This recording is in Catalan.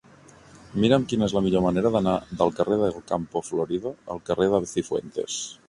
Mira'm quina és la millor manera d'anar del carrer de Campo Florido al carrer de Cifuentes.